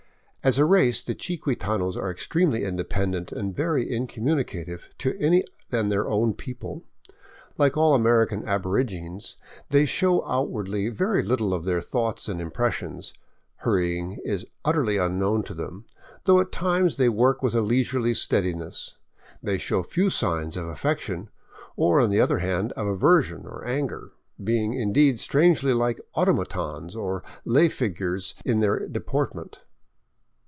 As a race the chiquitanos are extremely independent, and very incommunicative to any than their own people; like all American aborigines, they show outwardly very little of their thoughts and impressions. Hurrying is utterly unknown to them, though at times they work with a leisurely steadiness. They show few signs of affection, or on the other hand of aversion or anger, being, indeed, strangely like automatons or lay figures in their deportment.